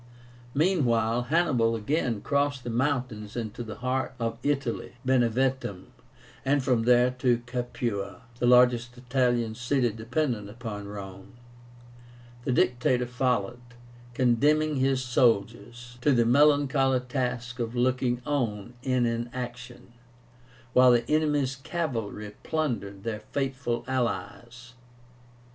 Meanwhile Hannibal again crossed the mountains into the heart of Italy to Beneventum, and from there to Capua, the largest Italian city dependent upon Rome. The Dictator followed, condemning his soldiers to the melancholy task of looking on in inaction, while the enemy's cavalry plundered their faithful allies.